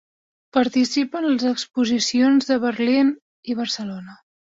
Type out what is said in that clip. Participa en les Exposicions de Berlín i Barcelona.